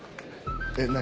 えっ何？